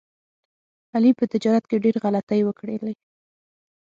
علي په تجارت کې ډېر غلطۍ وکړلې.